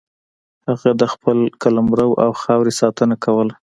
هغه د خپل قلمرو او خاورې ساتنه کوله.